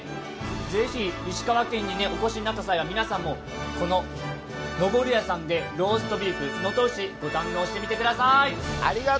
ぜひ石川県にお越しになった際には皆さんもこの登るやさんでローストビーフ、能登牛、堪能してみてください。